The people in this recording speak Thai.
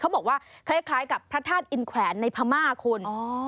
บอกว่าคล้ายกับพระธาตุอินแขวนในพม่าคุณ